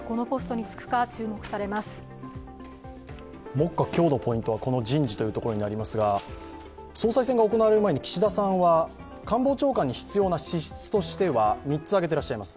目下、今日のポイントはこの人事というところになりますが総裁選が行われる前に岸田さんは官房長官に必要な資質としては、３つ挙げていらっしゃいます。